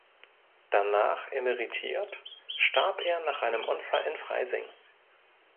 Danach emeritiert, starb er nach einem Unfall in Freising.